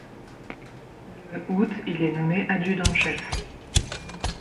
Le août il est nommé adjudant-chef.